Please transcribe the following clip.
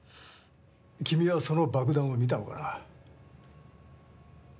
君はその爆弾を見たのかな？